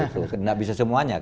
tidak bisa semuanya kan